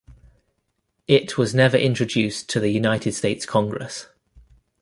It was never introduced to the United States Congress.